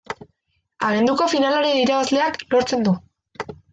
Abenduko finalaren irabazleak lortzen du.